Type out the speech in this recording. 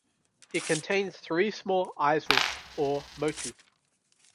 It contains three small islets or "motu".